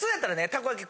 たこ焼き